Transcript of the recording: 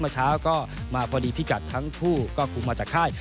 เมื่อเช้าก็มาพอดีพิกัดทั้งคู่ก็คุมมาจากค่าย